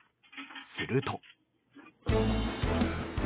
すると。